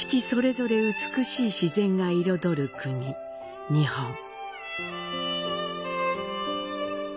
それぞれ美しい自然が彩る国、日本。